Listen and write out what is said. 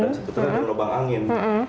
dan sebetulnya juga lubang angin